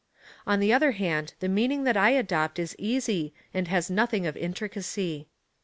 On the other hand, the meaning that I adopt is easy, and has nothing of intricacy.